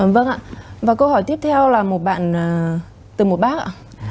vâng ạ và câu hỏi tiếp theo là một bạn từ một bác ạ